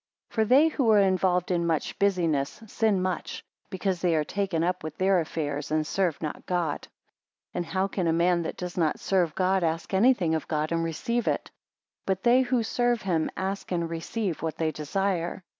For they who are involved in much business, sin much; because they are taken up with their affairs, and serve not God. 7 And how can a man that does not serve God, ask anything of God, and receive it? But they who serve him, ask and receive what they desire.